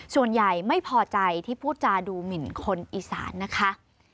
ส่วนใหญ่ไม่พอใจที่พูดจาดูหมินคนอีสานนะคะ